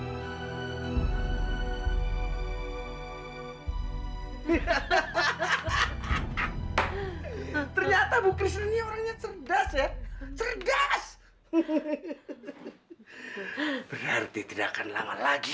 hahaha ternyata bukrisnya orangnya cerdas ya cerdas berarti tidak akan lama lagi